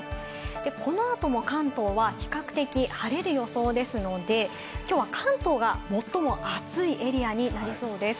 このあとも関東は比較的晴れる予想ですので、きょうは関東が最も暑いエリアになりそうです。